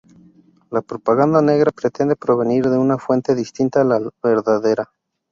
La propaganda negra pretende provenir de una fuente distinta a la verdadera.